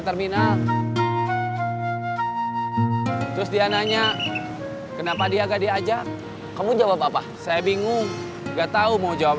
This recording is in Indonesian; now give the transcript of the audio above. terminal terus dia nanya kenapa dia agak diajak kamu jawab apa saya bingung enggak tahu mau jawab